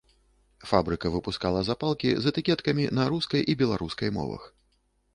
Фабрыка выпускала запалкі з этыкеткамі на рускай і беларускай мовах.